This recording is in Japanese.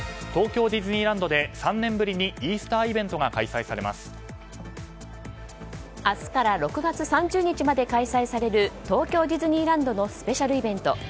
東京ディズニーランドで３年ぶりにイースターイベントが明日から６月３０日まで開催される東京ディズニーランドのスペシャルイベント